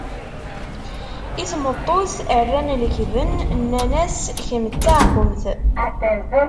I tmeṭṭut rran lekben nnan-as kemm d taɛkumt.